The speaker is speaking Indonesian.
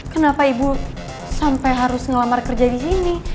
kenapa ibu sampai harus ngelamar kerja di sini